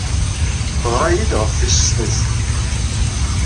Teɣra-iyi-d ɣef tis sḍiset.